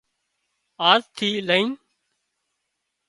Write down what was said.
آزٿِي لئين